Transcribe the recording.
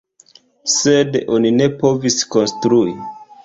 Sed oni ne povis konstrui.